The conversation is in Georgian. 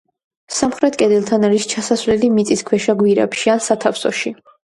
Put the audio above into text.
სამხრეთ კედელთან არის ჩასასვლელი მიწისქვეშა გვირაბში, ან სათავსოში.